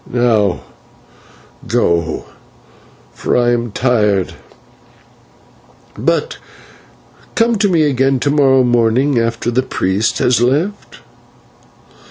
And now go, for I am tired, but come to see me again to morrow morning after the priest has left."